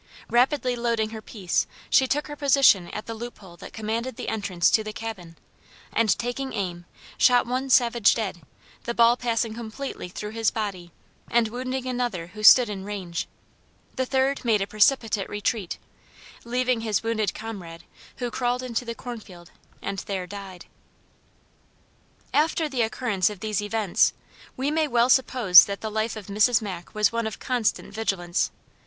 Rapidly loading her piece she took her position at the loop hole that commanded the entrance to the cabin, and taking aim, shot one savage dead, the ball passing completely through his body and wounding another who stood in range. The third made a precipitate retreat, leaving his wounded comrade who crawled into the cornfield and there died. After the occurrence of these events we may well suppose that the life of Mrs. Mack was one of constant vigilance.